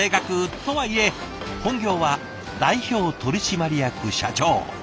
とはいえ本業は代表取締役社長。